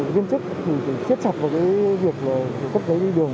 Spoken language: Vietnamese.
viên chức thì phải siết chặt vào cái việc là cấp giấy đi đường